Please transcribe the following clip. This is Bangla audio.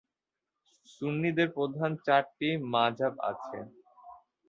সুন্নিদের প্রধান চারটি মাযহাব আছে।